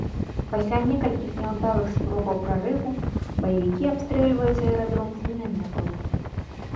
Пасля некалькіх няўдалых спробаў прарыву баевікі абстрэльваюць аэрадром з мінамётаў.